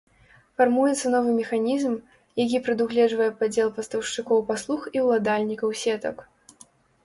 Фармуецца новы механізм, які прадугледжвае падзел пастаўшчыкоў паслуг і ўладальнікаў сетак.